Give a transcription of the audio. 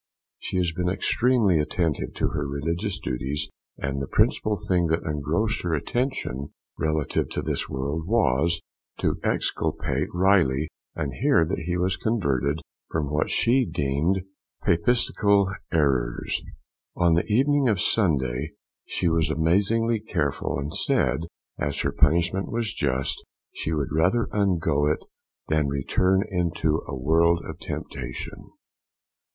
She has been extremely attentive to her religious duties, and the principal thing that engrossed her attention relative to this world was to exculpate Riley, and hear that he was converted from what she deemed Papistical errors. On the evening of Sunday she was amazingly cheerful, and said, as her punishment was just, she would rather undergo it than return into a world of temptation.